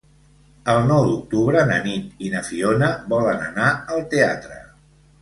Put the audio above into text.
El nou d'octubre na Nit i na Fiona volen anar al teatre.